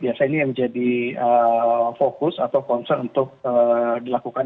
biasanya ini yang menjadi fokus atau concern untuk dilakukan